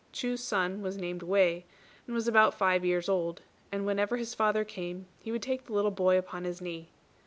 Chu's son was named Wei, and was about five years old; and whenever his father came he would take the little boy upon his knee.